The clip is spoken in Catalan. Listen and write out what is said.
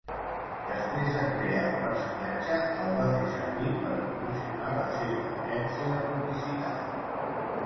Després de crear el personatge, el va fer servir per promocionar la seva agència de publicitat.